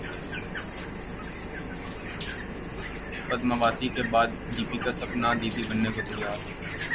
پدماوتی کے بعد دپیکا سپننا دی دی بننے کو تیار